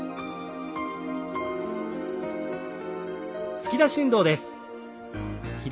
突き出し運動です。